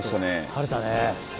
張れたね。